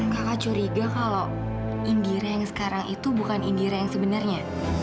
kakak curiga kalau indire yang sekarang itu bukan indira yang sebenarnya